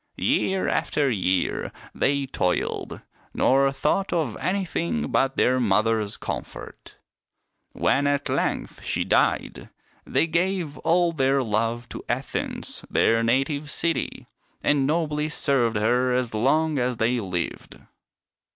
Year after year they toiled, nor thought of anything but their mother's comfort. When at length she died, they gave all their love to Athens, their native city, and nobly served her as long as they lived."